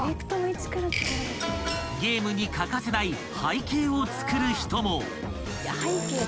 ［ゲームに欠かせない背景を作る人も］